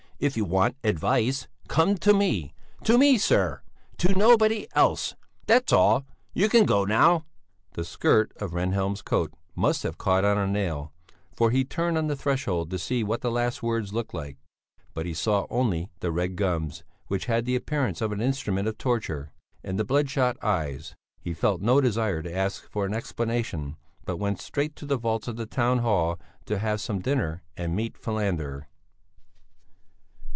If you want advice, come to me! To me, sir! To nobody else! That's all! You can go now!" The skirt of Rehnhjelm's coat must have caught on a nail, for he turned on the threshold to see what the last words looked like; but he saw only the red gums, which had the appearance of an instrument of torture, and the bloodshot eyes; he felt no desire to ask for an explanation, but went straight to the vaults of the town hall to have some dinner and meet Falander.